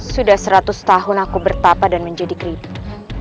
sudah seratus tahun aku bertapa dan menjadi keripik